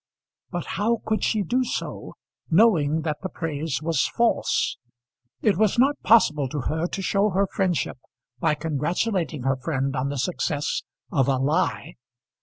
But how could she do so, knowing that the praise was false? It was not possible to her to show her friendship by congratulating her friend on the success of a lie.